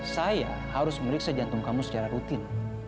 saya harus meriksa jantung kamu secara rutin